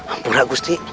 ampun ratu gusti